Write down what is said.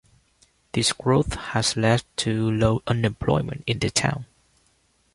This growth has led to low unemployment in the town.